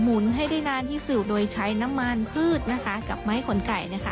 หุนให้ได้นานที่สุดโดยใช้น้ำมันพืชนะคะกับไม้ขนไก่นะคะ